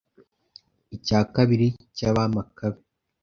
icya kabiri cy'abamakabe ,